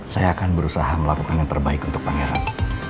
saya akan berusaha melakukan yang terbaik untuk pangeran